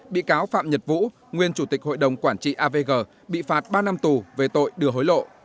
bị cáo phạm nhật vũ nguyên chủ tịch hội đồng quản trị avg bị phạt ba năm tù về tội đưa hối lộ